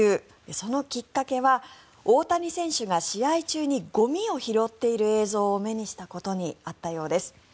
そのきっかけは大谷選手が、試合中にゴミを拾っている映像を目にしたことにあったようです。